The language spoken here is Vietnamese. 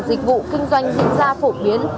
dịch vụ kinh doanh dự ra phổ biến